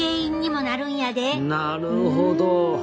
なるほど。